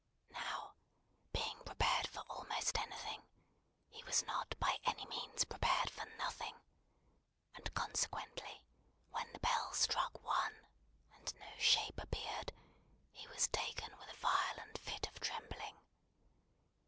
Now, being prepared for almost anything, he was not by any means prepared for nothing; and, consequently, when the Bell struck One, and no shape appeared, he was taken with a violent fit of trembling.